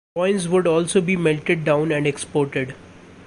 Coins would also be melted down and exported.